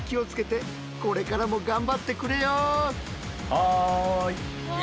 はい！